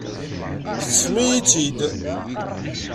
Teṭṭfem-iyi-tt-id.